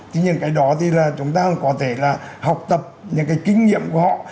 thì những cái đó thì là chúng ta có thể là học tập những cái kinh nghiệm của họ